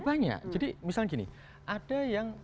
banyak jadi misalnya gini ada yang